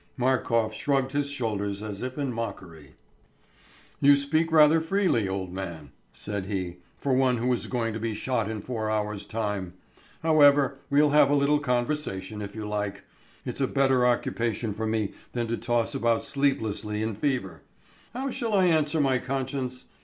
'" Markof shrugged his shoulders as if in mockery. "You speak rather freely, old man," said he, "for one who is going to be shot in four hours' time. However, we'll have a little conversation, if you like. It's a better occupation for me than to toss about sleeplessly in fever. How shall I answer my conscience?